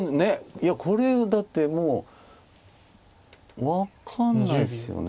いやこれはだってもう分かんないですよね